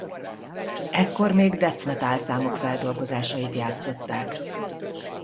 Ekkor még death metal számok feldolgozásait játszották.